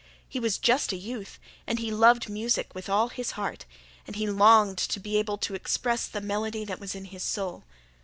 He was just a youth, and he loved music with all his heart, and he longed to be able to express the melody that was in his soul.